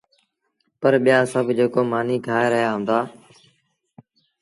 پر ٻيآ سڀ جيڪو مآݩيٚ کآئي رهيآ هُݩدآ